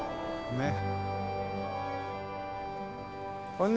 ねっ。